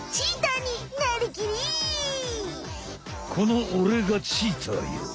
このおれがチーターよ！